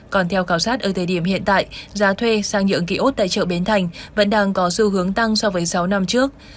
còn theo cảo sát ở thời điểm hiện tại giá thuê sang nhượng kiosk tại chợ bến thành vẫn đang có xu hướng tăng so với sáu năm trước